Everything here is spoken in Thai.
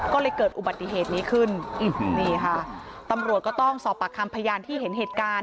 ก็เลยเกิดอุบัติเหตุนี้ขึ้นนี่ค่ะตำรวจก็ต้องสอบปากคำพยานที่เห็นเหตุการณ์